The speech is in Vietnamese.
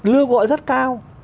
lương gọi rất cao